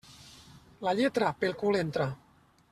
La lletra pel cul entra.